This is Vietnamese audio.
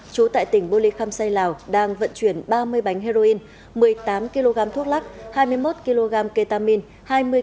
trú tại tỉnh bô lê khăm xây lào đang vận chuyển ba mươi bánh heroin một mươi tám kg thuốc lắc hai mươi một kg ketamine